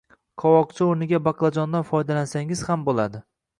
Qovoqcha o‘rniga baqlajondan foydalansangiz ham bo‘ladi